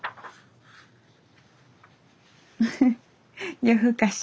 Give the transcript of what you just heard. フフッ夜ふかし。